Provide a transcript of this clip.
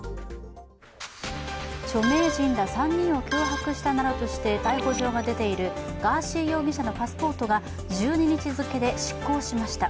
著名人ら３人を脅迫したなどとして逮捕状が出ているガーシー容疑者のパスポートが１２日付で失効しました。